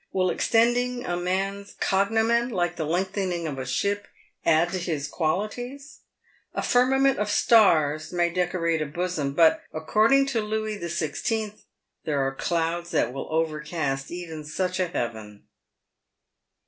— will extending a man's cogno men, like the lengthening of a ship, add to his qualities ? A firma ment of stars may decorate a bosom, but — according to Louis XVI. — there are clouds that will overcast even such a heaven.